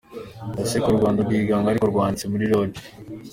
Ntaziseko u Rwanda rwigenga ariho rwanditswe muri loni ?